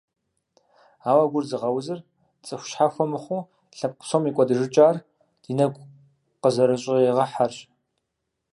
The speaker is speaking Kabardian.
Ауэ гур зыгъэузыр, цӀыху щхьэхуэ мыхъуу, лъэпкъ псом и кӀуэдыжыкӀар ди нэгу къызэрыщӀигъэхьэрщ.